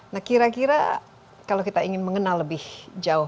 nah kira kira kalau kita ingin mengenal lebih jauh